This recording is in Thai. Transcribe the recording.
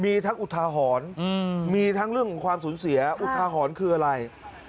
มีทั้งอุทาหรณ์มีทั้งเรื่องของความสูญเสียอุทาหรณ์คืออะไร